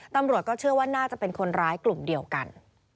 ตำรวจก็เชื่อว่าน่าจะเป็นคนร้ายกลุ่มเดียวกัน